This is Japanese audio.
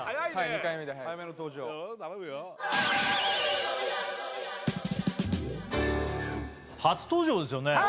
２回目ではい初登場ですよね